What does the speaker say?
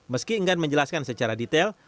meski enggan menjelaskan secara detail